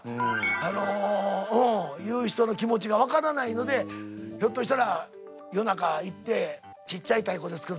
あのうん言う人の気持ちが分からないのでひょっとしたら夜中行ってちっちゃい太鼓でパンパンカンカン。